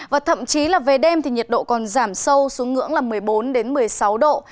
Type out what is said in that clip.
và thậm chí là về đêm thì nhiệt độ còn giảm sâu xuống ngưỡng là một mươi bốn một mươi sáu độ